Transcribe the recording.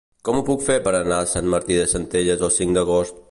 Com ho puc fer per anar a Sant Martí de Centelles el cinc d'agost?